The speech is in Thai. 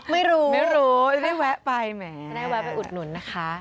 ไม่รู้ไม่รู้จะได้แวะไปเหมือนกันแหละครับจะได้แวะไปอุดหนุนนะคะ